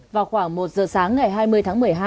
vào khoảng một giờ sáng ngày hai mươi ba h